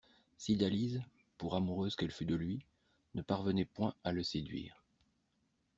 Cydalise, pour amoureuse qu'elle fût de lui, ne parvenait point à le séduire.